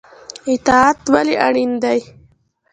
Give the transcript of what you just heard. اطاعت ولې اړین دی؟